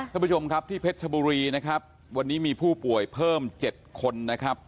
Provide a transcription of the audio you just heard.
ท่านผู้ชมครับที่เพชรชบุรีนะครับวันนี้มีผู้ป่วยเพิ่ม๗คนนะครับ